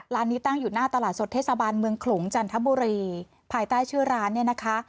นี้ตั้งอยู่หน้าตลาดสดเทศบาลเมืองขลุงจันทบุรีภายใต้ชื่อร้านเนี่ยนะคะ